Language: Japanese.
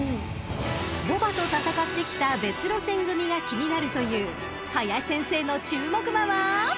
［牡馬と戦ってきた別路線組が気になるという林先生の注目馬は］